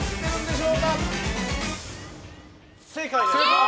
正解です！